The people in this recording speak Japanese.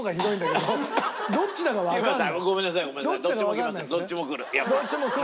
どっちもくる。